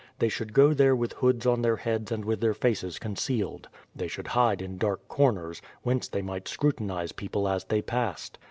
They should go there with hoods on their heads and with their faces concealed. They should hide in dark corners, whence they might scrutinize people as they passed.